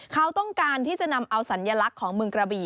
เขาต้องการที่จะนำเอาสัญลักษณ์ของเมืองกระบี่